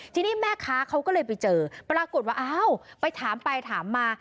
ทีนี้แม่ค้าเขาก็เลยไปเจอปรากฏว่าอ้าวไปถามไปถามมา